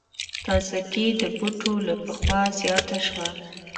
تازګي د بوټو له پخوا زیاته شوه.